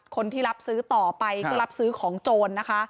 คนที่รับซื้อต่อไปก็รับซื้อของโจรนะคะ